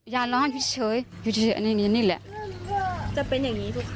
อย่าร้องเฉยอยู่เฉยอันนี้นี่แหละจะเป็นอย่างนี้ทุกครั้ง